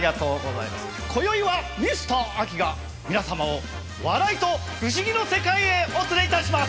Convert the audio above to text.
こよいはミスター・アキが皆様を笑いと不思議の世界へお連れ致します！